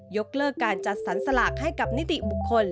ยกเลิกการจัดสรรสลากให้กับนิติบุคคล